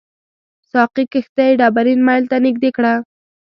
ساقي کښتۍ ډبرین میل ته نږدې کړه.